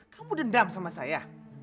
kamu dendam sama saya